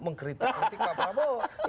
mengkritik kritik pak prabowo